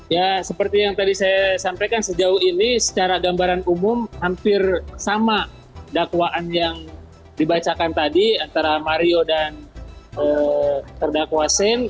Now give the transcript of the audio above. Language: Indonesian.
ya seperti yang tadi saya sampaikan sejauh ini secara gambaran umum hampir sama dakwaan yang dibacakan tadi antara mario dan terdakwa shane